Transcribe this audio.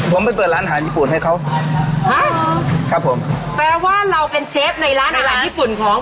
ผมไปเปิดร้านอาหารญี่ปุ่นให้เขาฮะครับผมแปลว่าเราเป็นเชฟในร้านอาหารญี่ปุ่นของ